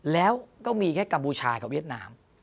แล้วก็มีแค่กัมพูชากับเวียดนาม